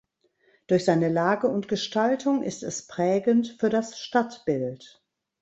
Durch seine Lage und Gestaltung ist es prägend für das Stadtbild.